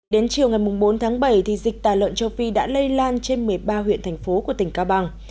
đến chiều ngày bốn tháng bảy dịch tà lợn châu phi đã lây lan trên một mươi ba huyện thành phố của tỉnh cao bằng